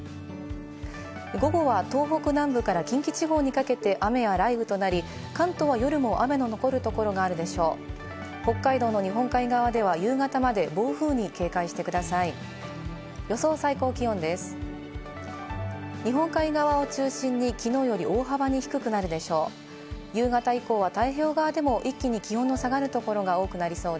午後は東北南部から近畿地方にかけて雨や雷雨となり、関東は夜も雨の残るところがあるでしょう。